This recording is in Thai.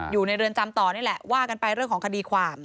อยู่ในเรือนจำต่อนี่แหละว่ากันไปเรื่องของคดีความ